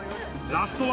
ラストは。